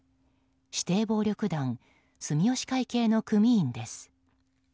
指定暴力団住吉会系の組員です。